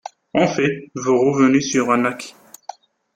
En fait, vous revenez sur un acquis.